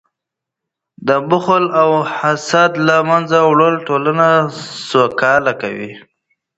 د بخل او حسد له منځه وړل ټولنه سوکاله کوي.